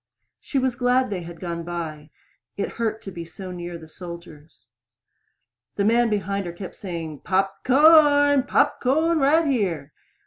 She was glad they had gone by. It hurt so to be near the soldiers. The man behind her kept saying, "Pop corn! Pop corn right here."